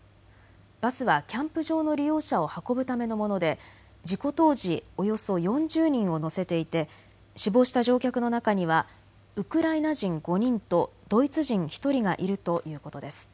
バスはキャンプ場の利用者を運ぶためのもので事故当時およそ４０人を乗せていて死亡した乗客の中にはウクライナ人５人とドイツ人１人がいるということです。